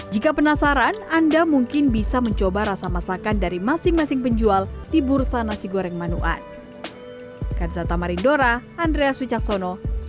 jika penasaran anda mungkin bisa mencoba rasa masakan dari masing masing penjual di bursa nasi goreng manuan